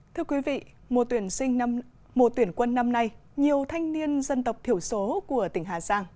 thưa quý vị mùa tuyển quân năm nay nhiều thanh niên dân tộc thiểu số của tỉnh hà giang